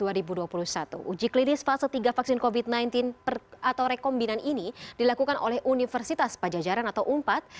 uji klinis fase tiga vaksin covid sembilan belas atau rekombinan ini dilakukan oleh universitas pajajaran atau unpad